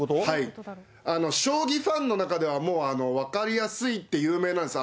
将棋ファンの中では、もう分かりやすいって有名なんです。